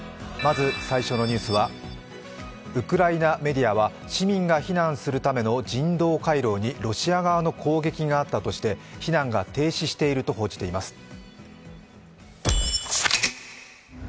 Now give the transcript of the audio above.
まず、最初のニュースは、ウクライナメディアは市民が避難するための人道回廊にロシア側の攻撃があったとして避難が停止していると報じています。